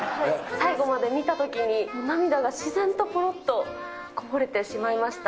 最後まで見たときに、涙が自然とぽろっとこぼれてしまいました。